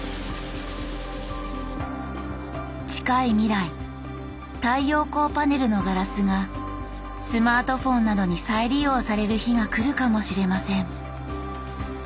近い未来太陽光パネルのガラスがスマートフォンなどに再利用される日が来るかもしれません。